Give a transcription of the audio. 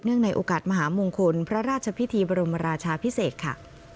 ในโอกาสมหามงคลพระราชพิธีบรมราชาพิเศษค่ะ